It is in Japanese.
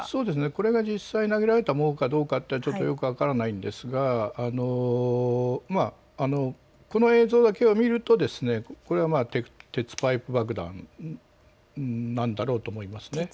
これが実際に投げられたものかどうかというのはちょっとよく分からないんですがこの映像だけを見るとこれは鉄パイプ爆弾なんだろうと思います。